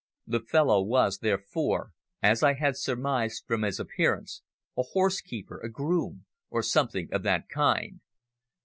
The fellow was, therefore, as I had surmised from his appearance, a horsekeeper, a groom, or something of that kind.